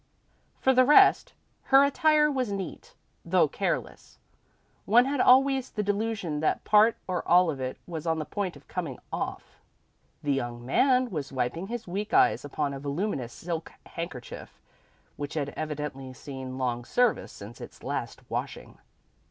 For the rest, her attire was neat, though careless. One had always the delusion that part or all of it was on the point of coming off. The young man was wiping his weak eyes upon a voluminous silk handkerchief which had evidently seen long service since its last washing.